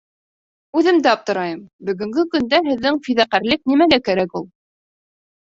— Үҙем дә аптырайым, бөгөнгө көндә һеҙҙең фиҙаҡәрлек нимәгә кәрәк ул?